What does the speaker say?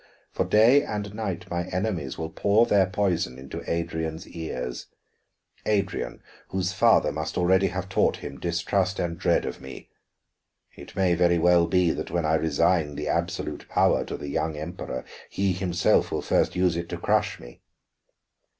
"For day and night my enemies will pour their poison into Adrian's ears; Adrian, whose father must already have taught him distrust and dread of me. It may very well be that when I resign the absolute power to the young Emperor, he himself will first use it to crush me."